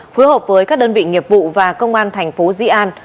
phối hợp với các đơn vị nghiệp vụ và công an thành phố di an